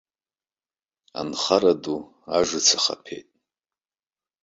Анхара ду ажыц ахаԥеит.